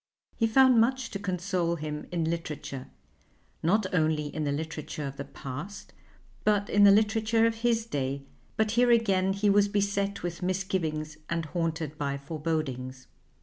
He found much to console him in literature, not only in the literature of the past but in the literature of his day, but here again he was beset with misgivings and haunted by forebodings.